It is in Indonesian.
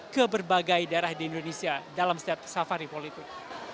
ke berbagai daerah di indonesia dalam setiap safari politik